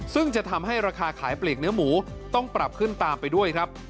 ซึ่งจะทำให้ราคาขายปลีกเนื้อหมูต้องปรับขึ้นตามไปด้วยครับ